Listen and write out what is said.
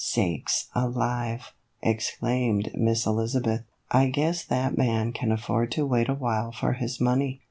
" Sakes alive !" exclaimed Miss Elizabeth, " I guess that man can afford to wait awhile for his money.